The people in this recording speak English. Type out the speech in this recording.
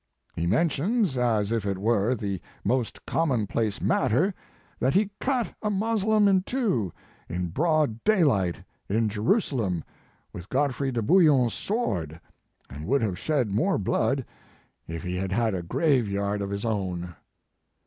He mentions, as if it were the most common place matter, that he cut a Moslem in two in broad daylight in Jer usalem with Godfrey de Bouillon s sword, and would have shed more blood if he Mark Twain had had a grave yard of his own.